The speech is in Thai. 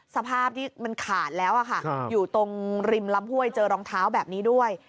สภาพที่มันขาดแล้วค่ะอยู่ตรงริมลำห้วยเจอรองเท้าแบบนี้ด้วย